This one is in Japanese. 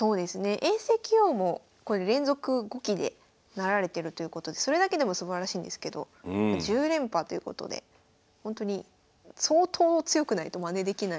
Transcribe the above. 永世棋王も連続５期でなられてるということでそれだけでもすばらしいんですけど１０連覇ということでほんとに相当強くないとまねできない。